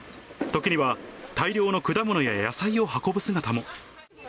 時には、大量の果物や野菜を運ぶ姿も。